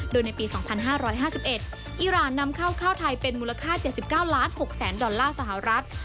โดยในปี๒๕๕๑อิหร่านนำข้าวไทยเป็นมูลค่า๗๙ล้าน๖แสนดอลลาร์สหรัฐ